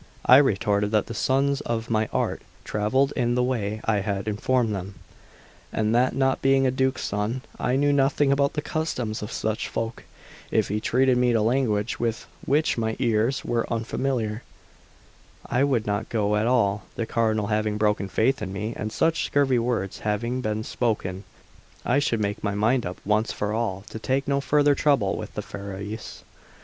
I retorted that the sons of my art travelled in the way I had informed him, and that not being a duke's son, I knew nothing about the customs of such folk; if he treated me to language with which my ears were unfamiliar, I would not go at all; the Cardinal having broken faith with me, and such scurvy words having been spoken, I should make my mind up once for all to take no further trouble with the Ferrarese.